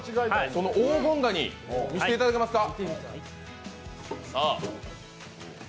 その黄金ガニ見せていただけますか？